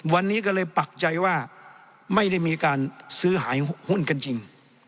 วันนี้ก็เลยปักใจว่าไม่ได้มีการซื้อขายหุ้นกันจริง